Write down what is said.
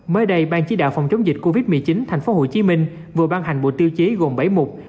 mới đây ban chí đạo phòng chống dịch covid một mươi chín thành phố hồ chí minh vừa ban hành bộ tiêu chí gồm bảy mục